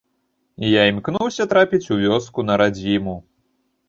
Я імкнуся трапіць у вёску на радзіму.